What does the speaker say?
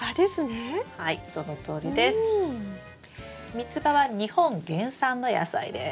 ミツバは日本原産の野菜です。